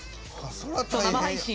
生配信？